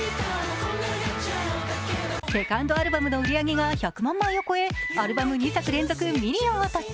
セカンドアルバムの売り上げが１００万枚を超えアルバム２作連続ミリオンを達成。